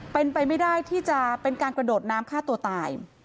เป็นไปไม่ได้ที่จะเป็นการกระโดดน้ำฆ่าตัวตาย